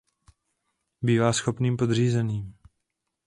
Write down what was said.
Bývá schopným podřízeným.